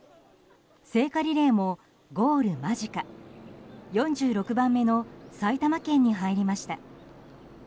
聖火リレーもゴール間近４６番目の埼玉県に入りました。